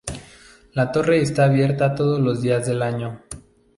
La torre está abierta todos los días del año.